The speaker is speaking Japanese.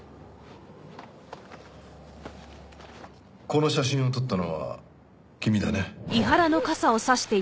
この写真を撮ったのは君だね？